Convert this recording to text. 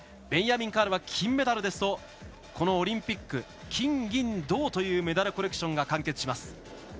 ベンヤミン・カールは金メダルですとこのオリンピック金、銀、銅というメダルコレクションが完結します。